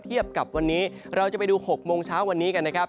เทียบกับวันนี้เราจะไปดู๖โมงเช้าวันนี้กันนะครับ